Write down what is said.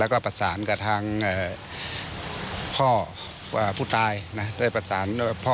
ก็ปรัสสารกับทางพ่อผู้ตาย